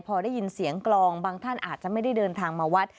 พอได้ยินเสียงกลองบางท่านอาจจะไม่ได้เดินทางมาวัด